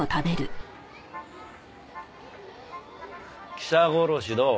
記者殺しどう？